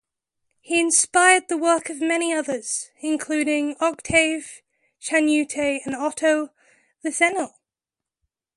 He inspired the work of many others including Octave Chanute and Otto Lilienthal.